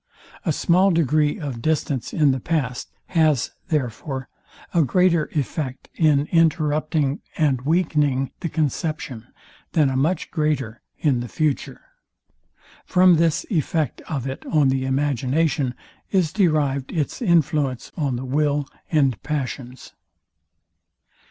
A small degree of distance in the past has, therefore, a greater effect, in interupting and weakening the conception, than a much greater in the future. From this effect of it on the imagination is derived its influence on the will and passions.